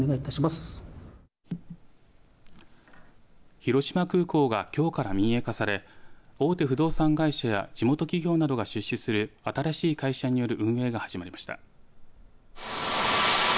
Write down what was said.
広島空港はきょうから民営化され大手不動産会社や地元企業などが出資する新しい会社による運営が始まりました。